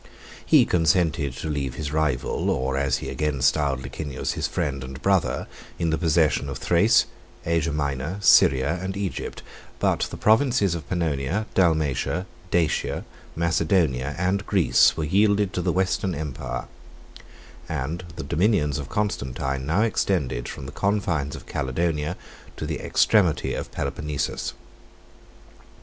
He consented to leave his rival, or, as he again styled Licinius, his friend and brother, in the possession of Thrace, Asia Minor, Syria, and Egypt; but the provinces of Pannonia, Dalmatia, Dacia, Macedonia, and Greece, were yielded to the Western empire, and the dominions of Constantine now extended from the confines of Caledonia to the extremity of Peloponnesus.